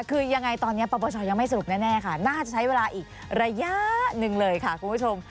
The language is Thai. คือยังไงตอนนี้ปปชยังไม่สรุปแน่ค่ะน่าจะใช้เวลาอีกระยะหนึ่งเลยค่ะคุณผู้ชม